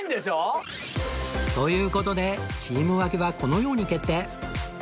という事でチーム分けはこのように決定